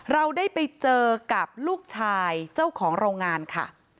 เราได้ไปเจอกับลูกชายเจ้าของโรงงานค่ะ